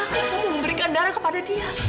dan maka kamu memberikan darah kepada dia